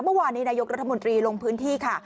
เมื่อวานนี้นายกรัฐมนตรีลงพื้นที่ค่ะ